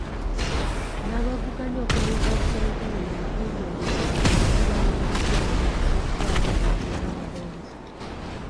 N'abavuganya okumyuka Ssentebe mubitundu ebirala nabo baweereddwa omukisa okubaako kye basaba abalonzi.